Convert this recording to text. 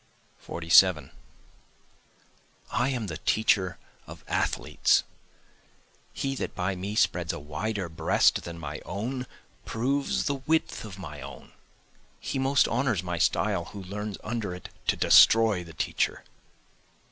47 I am the teacher of athletes, He that by me spreads a wider breast than my own proves the width of my own, He most honors my style who learns under it to destroy the teacher.